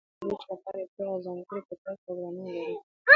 افغانستان د طبیعي زیرمې د ترویج لپاره پوره او ځانګړي ګټور پروګرامونه لري.